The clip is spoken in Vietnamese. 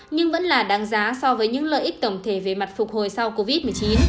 nhưng vẫn là đáng giá so với những lợi ích tổng thể về mặt phục hồi sau covid một mươi chín